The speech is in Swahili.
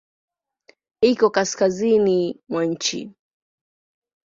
Iko kaskazini mwa nchi.